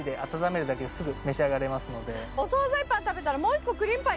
お惣菜パン食べたら。